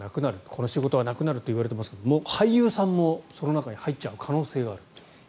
この仕事はなくなるって言われていますけど俳優さんもその中に入っちゃう可能性があると。